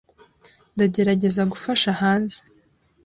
Ndagerageza gufasha hanze.